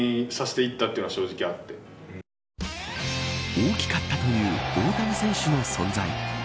大きかったという大谷選手の存在。